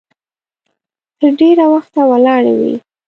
تر ډېره وخته ولاړې وي.